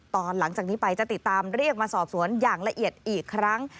หลังจากนี้ไปจะติดตามเรียกมาสอบสวนอย่างละเอียดอีกครั้ง